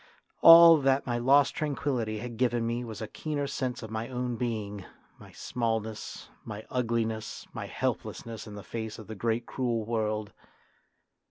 All that my lost tranquillity had given me was a keener sense of my own being ; my smallness, my ugliness, my helplessness in the face of the great cruel world.